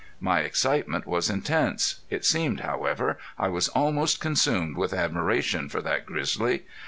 My excitement was intense. It seemed, however, I was most consumed with admiration for that grizzly.